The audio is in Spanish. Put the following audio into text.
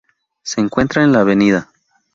Se encuentra en la Av.